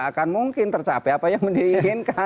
mungkin tidak akan tercapai apa yang diinginkan gitu